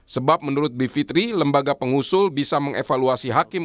sebab menurut bivitri lembaga pengusul bisa mengevaluasi hakim